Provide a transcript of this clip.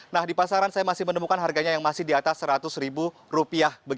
nah di pasaran saya masih menemukan harganya yang masih di atas rp seratus